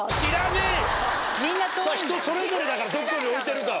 人それぞれだからどこに置いてるかは。